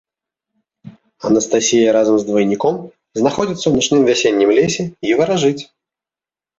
Анастасія разам з двайніком знаходзіцца ў начным вясеннім лесе і варажыць.